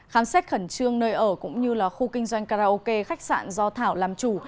khám xét khẩn trương nơi ở cũng như là khu kinh doanh karaoke khách sạn do thảo làm chủ